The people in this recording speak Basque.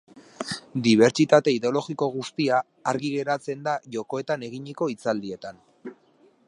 Dibertsitate ideologiko guztia, argi geratzen da Jokoetan eginiko hitzaldietan.